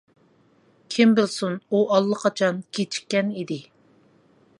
كىم بىلسۇن ئۇ ئاللىقاچان كىچىككەن ئىدى.